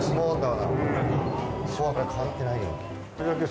昭和から変わってないよね。